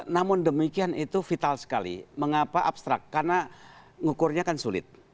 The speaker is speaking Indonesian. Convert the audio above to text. namun demikian itu vital sekali mengapa abstrak karena ngukurnya kan sulit